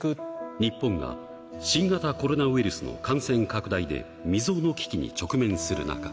日本が新型コロナウイルスの感染拡大で未曽有の危機に直面す